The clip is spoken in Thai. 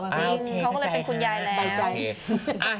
เขาก็เลยเป็นคุณยายแล้ว